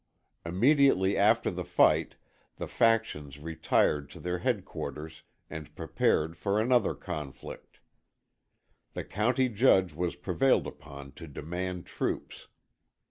Immediately after the fight the factions retired to their headquarters and prepared for another conflict. The County Judge was prevailed upon to demand troops.